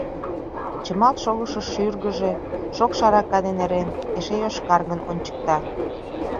Чымалт шогышо шӱргыжӧ, шокшо арака дене ырен, эше йошкаргын ончыкта.